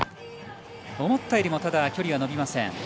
思ったよりも距離が伸びません。